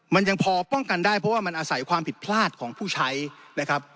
มันยังพอป้องกันได้เพราะว่ามันอาศัยความผิดพลาดของผู้ใช้นะครับ